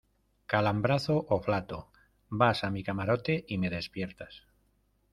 calambrazo o flato. vas a mi camarote y me despiertas .